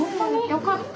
よかった。